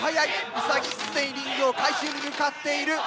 ウサギ既にリングを回収に向かっている。